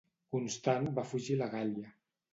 Constant va fugir a la Gàl·lia.